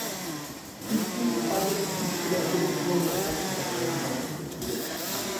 چۈنكى ئۇ ئادەتتىكى كىشىلەر قوبۇل قىلالمايدىغان ئازابلارنى باشتىن كەچۈرگەن.